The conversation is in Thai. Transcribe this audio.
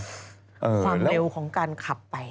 ความเร็วของการขับไป